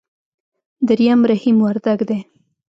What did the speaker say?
درېم رحيم وردګ دی.